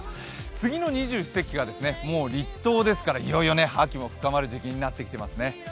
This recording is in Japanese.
次の二十四節気が立冬ですからいよいよ秋も深まる時期になってきていますね